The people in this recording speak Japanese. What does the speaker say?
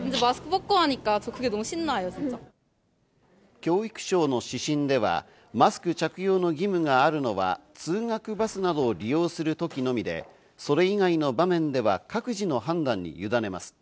教育省の指針ではマスク着用の義務があるのは通学バスなどを利用する時のみで、それ以内の場面では各自の判断にゆだねます。